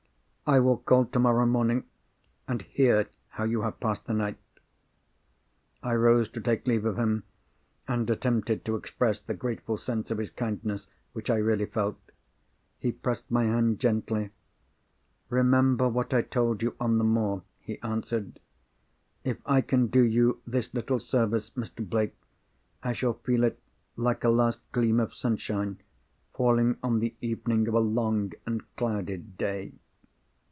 I will call tomorrow morning and hear how you have passed the night." I rose to take leave of him; and attempted to express the grateful sense of his kindness which I really felt. He pressed my hand gently. "Remember what I told you on the moor," he answered. "If I can do you this little service, Mr. Blake, I shall feel it like a last gleam of sunshine, falling on the evening of a long and clouded day."